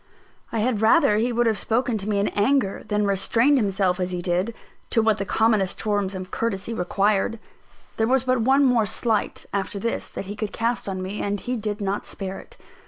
I had rather he would have spoken to me in anger than restrained himself as he did, to what the commonest forms of courtesy required. There was but one more slight, after this, that he could cast on me; and he did not spare it.